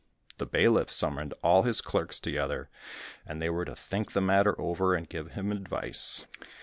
The bailiff summoned all his clerks together, and they were to think the matter over, and give him advice.